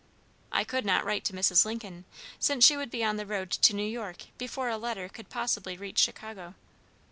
I could not write to Mrs. Lincoln, since she would be on the road to New York before a letter could possibly reach Chicago.